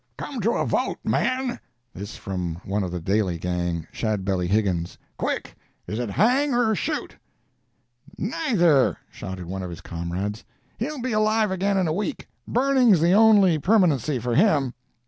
"Come to a vote, men!" This from one of the Daly gang, Shadbelly Higgins. "Quick! is it hang, or shoot?" "Neither!" shouted one of his comrades. "He'll be alive again in a week; burning's the only permanency for him."